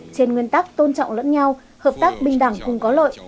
trên nguyên tắc tôn trọng lẫn nhau hợp tác bình đẳng cùng có lợi